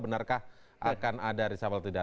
benarkah akan ada reshuffle tidak